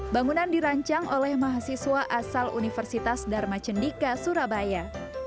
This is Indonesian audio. bangunan dirancang oleh mahasiswa asal universitas dharma cendika surabaya